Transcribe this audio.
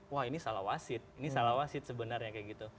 wah ini salah wasit